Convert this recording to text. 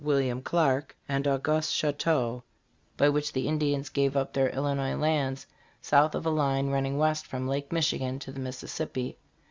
William Clark and Au guste Chouteau, by which the Indians gave up their Illinois lands south of a line running west from Lake Michigan to the Mississippi.